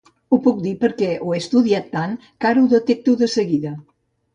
Ho puc dir perquè ho he estudiat tant que ara ho detecto de seguida.